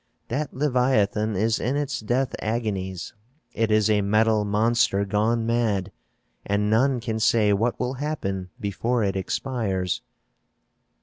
"That leviathan is in its death agonies; it is a metal monster gone mad, and none can say what will happen before it expires."